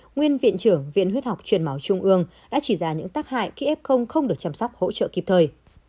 nguyên viện trưởng viện huyết học truyền máu trung ương đã chỉ ra những tác hại khi f không được chăm sóc hỗ trợ kịp thời